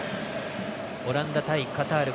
オランダ対カタール